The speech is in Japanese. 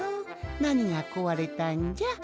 なにがこわれたんじゃ？